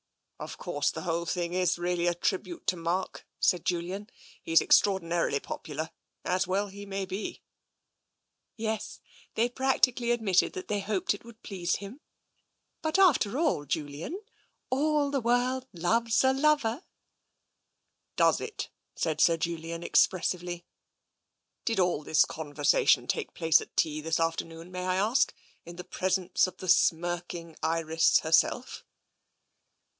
"Of course, the whole thing is really a tribute to Mark," said Julian. " He's extraordinarily popular — as well he may be." " Yes, they practically admitted that they hoped it would please him. But after all, Julian, * all the world loves a lover.* "" Does it? " said Sir Julian expressively. " Did all this conversation take place at tea this afternoon, may I ask, in the presence of the smirking Iris herself?